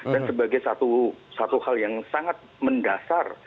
dan sebagai satu hal yang sangat mendasar